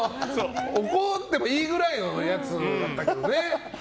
怒ってもいいくらいのやつだったけどね。